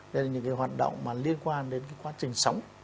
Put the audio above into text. đây là những cái hoạt động mà liên quan đến cái quá trình sống